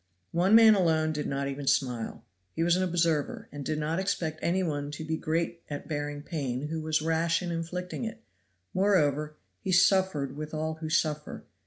One man alone did not even smile. He was an observer, and did not expect any one to be great at bearing pain who was rash in inflicting it; moreover, he suffered with all who suffer.